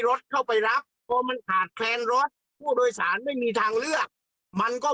รถเข้าไปรับพอมันขาดแคลนรถผู้โดยสารไม่มีทางเลือกมันก็